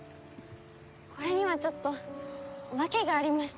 これにはちょっと訳がありまして。